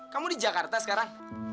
kamu di jakarta sekarang